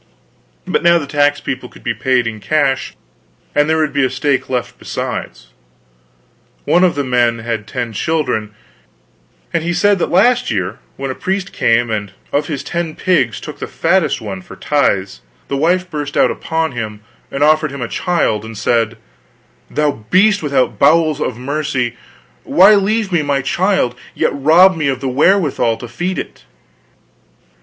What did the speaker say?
But now the tax people could be paid in cash, and there would be a stake left besides. One of the men had ten children; and he said that last year when a priest came and of his ten pigs took the fattest one for tithes, the wife burst out upon him, and offered him a child and said: "Thou beast without bowels of mercy, why leave me my child, yet rob me of the wherewithal to feed it?"